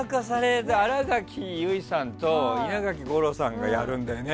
新垣結衣さんと稲垣吾郎さんがやるんだよね。